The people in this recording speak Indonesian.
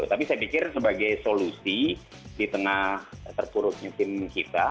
tapi saya pikir sebagai solusi di tengah terpuruknya tim kita